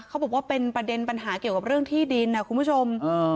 เขาบอกว่าเป็นประเด็นปัญหาเกี่ยวกับเรื่องที่ดินนะคุณผู้ชม